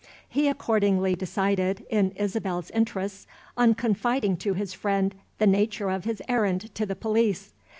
He accordingly decided, in Isabel's interests, on confiding to his friend the nature of his errand to the police.